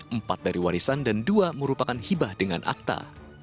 empat dari warisan dan dua merupakan hibah dengan akta